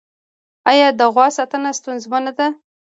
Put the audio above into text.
آیا د غوا ساتنه ستونزمنه ده؟